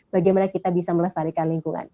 bagaimana kita bisa melestarikan lingkungan